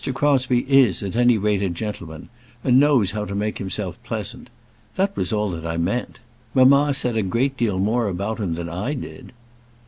Crosbie is, at any rate, a gentleman, and knows how to make himself pleasant. That was all that I meant. Mamma said a great deal more about him than I did."